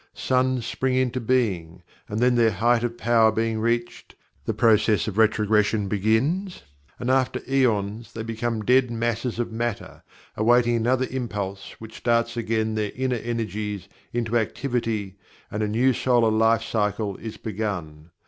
Suns spring into being, and then their height of power being reached, the process of retrogression begins, and after aeons they become dead masses of matter, awaiting another impulse which starts again their inner energies into activity and a new solar life cycle is begun.